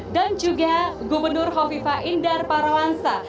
dan juga gubernur hovifa indar parawansa